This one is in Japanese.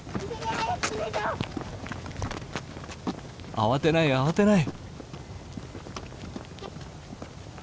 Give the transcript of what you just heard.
慌てない慌てない。